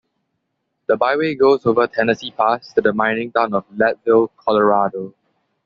The byway goes over Tennessee Pass to the mining town of Leadville, Colorado.